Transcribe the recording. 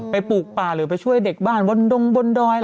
ปลูกป่าหรือไปช่วยเด็กบ้านบนดงบนดอย